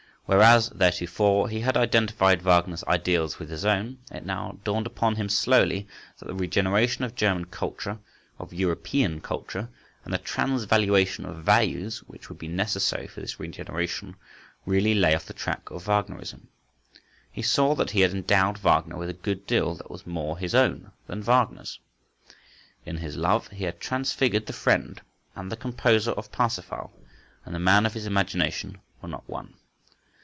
Whereas, theretofore, he had identified Wagner's ideals with his own, it now dawned upon him slowly that the regeneration of German culture, of European culture, and the transvaluation of values which would be necessary for this regeneration, really lay off the track of Wagnerism. He saw that he had endowed Wagner with a good deal that was more his own than Wagner's. In his love he had transfigured the friend, and the composer of "Parsifal" and the man of his imagination were not one.